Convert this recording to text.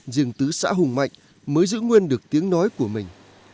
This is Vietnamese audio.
riêng tứ xã hùng mạnh mới giữ nguyên được tiếng nói của mình